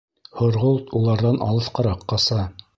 Һорғолт уларҙан алыҫҡараҡ ҡаса.